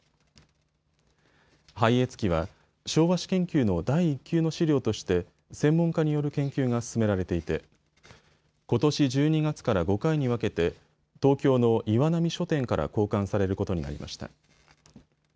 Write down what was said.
拝謁記は昭和史研究の第一級の資料として専門家による研究が進められていてことし１２月から５回に分けて東京の岩波書店から公刊されることになりました。